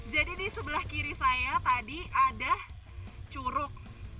jadi di sebelah kiri saya tadi ada curug